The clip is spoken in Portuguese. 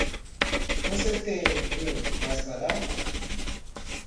Você tem um mais barato?